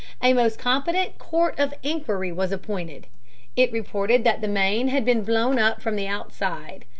A most competent Court of Inquiry was appointed. It reported that the Maine had been blown up from the outside.